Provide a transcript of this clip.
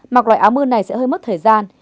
mặc loại áo mưa này sẽ hơi mất thời gian